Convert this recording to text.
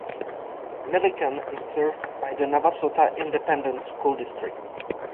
Millican is served by the Navasota Independent School District.